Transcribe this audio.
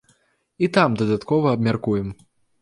І там дадаткова абмяркуем.